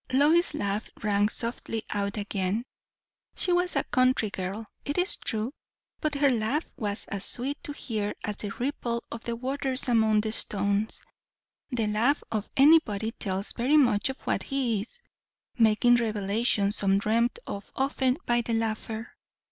Lois's laugh rang softly out again. She was a country girl, it is true; but her laugh was as sweet to hear as the ripple of the waters among the stones. The laugh of anybody tells very much of what he is, making revelations undreamt of often by the laugher.